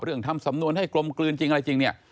เรื่องทำสำนวนให้กลมกลืนจริงอะไรจริง